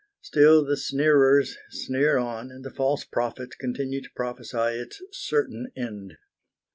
Still the sneerers sneer on, and the false prophets continue to prophesy its certain end.